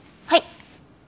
はい！